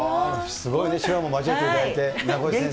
すごいね、手話も交えていただいて、名越先生。